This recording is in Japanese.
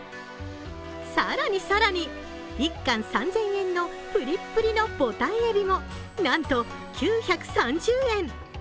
更に更に、１貫３０００円のプリップリのぼたんえびもなんと９３０円。